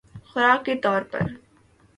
خوراک کے طور پر